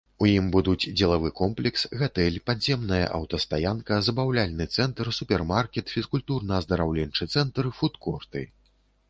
У ім будуць дзелавы комплекс, гатэль, падземная аўтастаянка, забаўляльны цэнтр, супермаркет, фізкультурна-аздараўленчы цэнтр, фуд-корты.